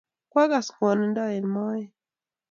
kwagas ngwanindo eng' moet